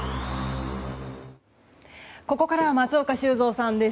ここからは松岡修造さんです。